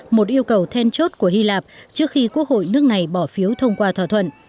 vô cầu then chốt của hy lạp trước khi quốc hội nước này bỏ phiếu thông qua thỏa thuận